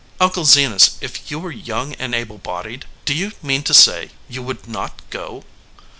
"Uncle Zenas, if you were young and able bodied, do you mean to say you would not go?"